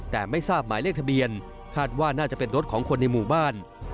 แต่ไม่ทราบหมายเลขทะเบียนคาดว่าน่าจะเป็นรถของคนในหมู่บ้าน